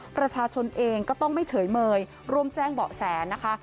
ประชาชนเองก็ต้องไม่เฉยเมยร่วมแจ้งเบาะแสนะคะ